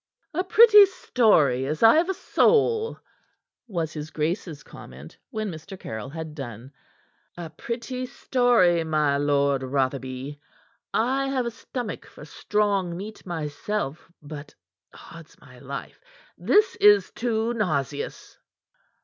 "A pretty story, as I've a soul!" was his grace's comment, when Mr. Caryll had done. "A pretty story, my Lord Rotherby. I have a stomach for strong meat myself. But odds my life! this is too nauseous!"